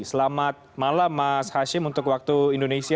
selamat malam mas hashim untuk waktu indonesia